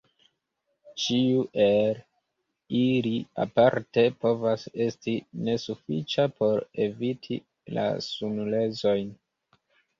Ĉiu el ili aparte povas esti nesufiĉa por eviti la sunlezojn.